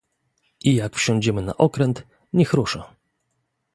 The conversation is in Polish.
"I jak wsiądziemy na okręt, niech rusza."